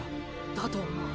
だと思う。